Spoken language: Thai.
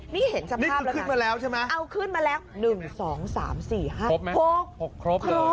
นี่เห็นสภาพแล้วน่ะเอาขึ้นมาแล้ว๑๒๓๔๕คลบเหรอ